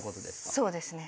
そうですね。